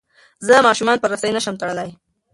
زه ماشومان په رسۍ نه شم تړلی.